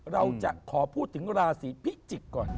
เราจะขอพูดถึงราศีพิจิกษ์ก่อน